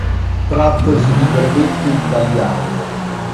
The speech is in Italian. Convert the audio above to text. Trattasi di brevetto italiano.